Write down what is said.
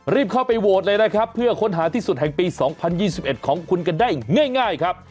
รีบเข้าไปโหวตเลยนะครับเพื่อค้นหาที่สุดแห่งปี๒๐๒๑ของคุณกันได้ง่ายครับ